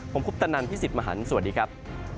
ผมคุปตะนันพี่สิทธิ์มหันฯสวัสดีครับ